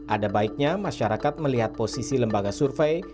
ada baiknya masyarakat melihat posisi lembaga survei